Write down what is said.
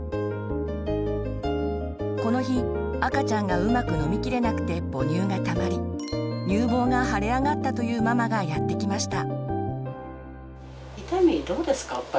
この日赤ちゃんがうまく飲みきれなくて母乳がたまり乳房が腫れ上がったというママがやって来ました。